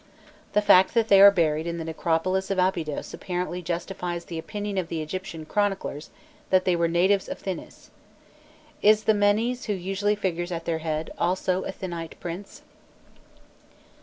[*] The fact that they are buried in the necropolis of Abydos apparently justifies the opinion of the Egyptian chroniclers that they were natives of Thinis. Is the Menés who usually figures at their head[] also a Thinite prince?